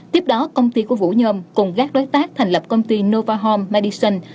tiếp đó công ty của vũ nhôm cùng các đối tác thành lập công ty nova home madison